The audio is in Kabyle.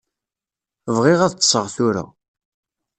Bɣiɣ ad ṭṭseɣ tura.